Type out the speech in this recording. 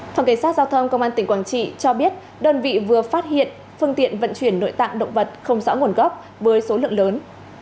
phòng cảnh sát giao thông công an tỉnh quảng trị cho biết đơn vị vừa phát hiện phương tiện vận chuyển nội tạng động vật không rõ nguồn gốc với số lượng lớn